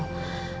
karena aku tuh